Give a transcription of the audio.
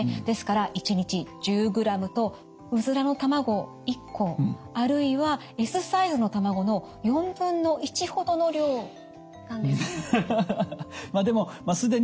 ですから１日１０ｇとうずらの卵１個あるいはＳサイズの卵の４分の１ほどの量なんです。